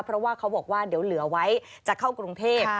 เพราะว่าเขาบอกว่าเดี๋ยวเหลือไว้จะเข้ากรุงเทพ